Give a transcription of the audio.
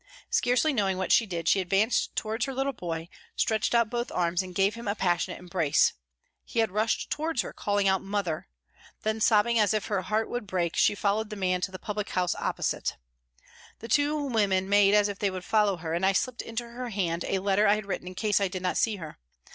Scarcely knowing what she did, she advanced towards her little boy, stretched out both arms and gave him a passionate embrace. He had rushed towards her calling out " Mother !" Then, sobbing as if her heart would break, she followed the man to the public house opposite. The two women made as if they would follow her, and I slipped into her hand a letter I had written in case I did not see her.